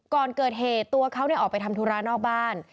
ก่อนเกิดเหตุตัวเขาออกไปทำธุระนอกบ้าน